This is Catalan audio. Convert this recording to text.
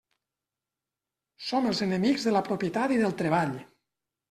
Som els enemics de la propietat i del treball.